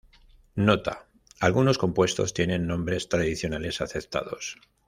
Nota: Algunos compuestos tienen nombres tradicionales aceptados.